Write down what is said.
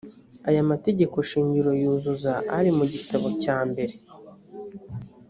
aya mategeko shingiro yuzuza ari mu gitabo cyambere.